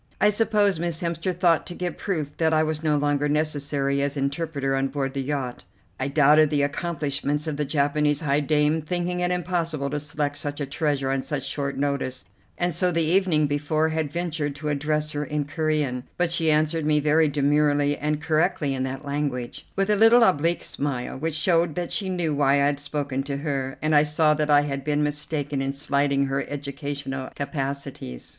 I suppose Miss Hemster thought to give proof that I was no longer necessary as interpreter on board the yacht. I doubted the accomplishments of the Japanese high dame, thinking it impossible to select such a treasure on such short notice, and so the evening before had ventured to address her in Corean; but she answered me very demurely and correctly in that language, with a little oblique smile, which showed that she knew why I had spoken to her, and I saw that I had been mistaken in slighting her educational capacities.